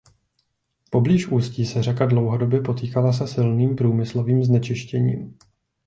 Poblíž ústí se řeka dlouhodobě potýkala se silným průmyslovým znečištěním.